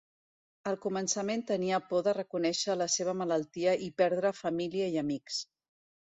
Al començament tenia por de reconèixer la seva malaltia i perdre família i amics.